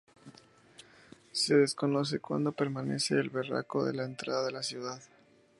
Se desconoce desde cuando permanece el verraco en la entrada de la ciudad.